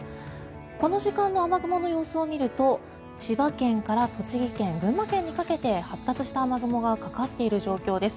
この時間の雨雲の予想を見ると千葉県から栃木県群馬県にかけて発達した雨雲がかかっている状況です。